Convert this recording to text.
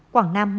quảng nam một